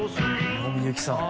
小野みゆきさん。